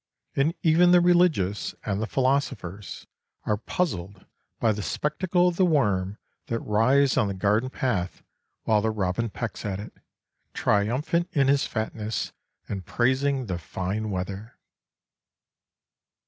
And even the religious and the philosophers are puzzled by the spectacle of the worm that writhes on the garden path while the robin pecks at it, triumphant in his fatness and praising the fine weather.